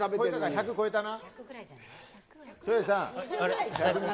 １００超えたな？